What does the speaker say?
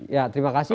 ya terima kasih